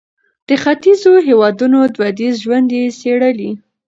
د ختیځو هېوادونو دودیز ژوند یې څېړلی.